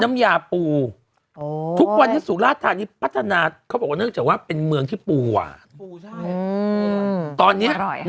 น้ำยาปูทุกวันนี้สุราชธานีพัฒนาเขาบอกว่าเนื่องจากว่าเป็นเมืองที่ปัวตอนนี้